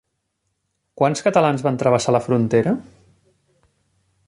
Quants catalans van travessar la frontera?